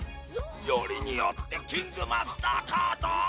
よりによってキングマスターカード！？